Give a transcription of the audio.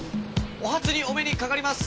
お初にお目に掛かります。